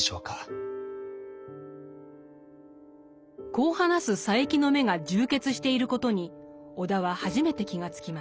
こう話す佐柄木の眼が充血していることに尾田は初めて気が付きます。